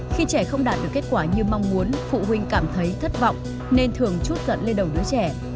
khi trẻ không đạt được kết quả như mong muốn phụ huynh cảm thấy thất vọng nên thường chút giận lên đầu đứa trẻ